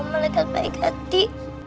om oma lihat baik hati